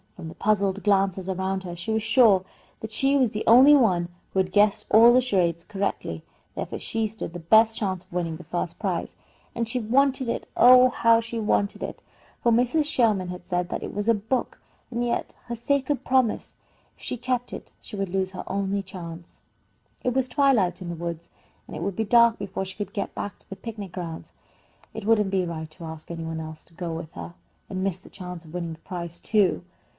From the puzzled glances around her she was sure that she was the only one who had guessed all the charades correctly; therefore she stood the best chance of winning the first prize, and she wanted it oh, how she wanted it! for Mrs. Sherman had said that it was a book. And yet her sacred promise! If she kept it, she would lose her only chance. It was twilight in the woods, and it would be dark before she could get back to the picnic grounds. It wouldn't be right to ask any one else to go with her, and miss the chance of winning the prize, too.